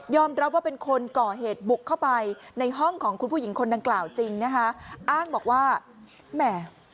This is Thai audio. ยอมรับว่าเป็นคนก่อเหตุบุกเข้าไปในห้องของคุณผู้หญิงคนนางกลางจริงนะฮะ